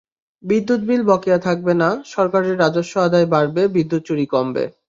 বিদ্যুৎ বিল বকেয়া থাকবে না, সরকারের রাজস্ব আদায় বাড়বে, বিদ্যুৎ চুরি কমবে।